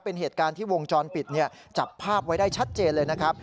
เป็นเหตุการณ์ที่วงจรปิดจับภาพไว้ได้ชัดเจนเลยนะครับ